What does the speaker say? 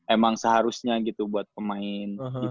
emang seharusnya gitu buat pemain